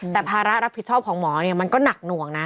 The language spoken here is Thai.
แต่ภาระรับผิดชอบของหมอเนี่ยมันก็หนักหน่วงนะ